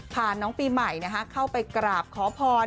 พาน้องปีใหม่เข้าไปกราบขอพร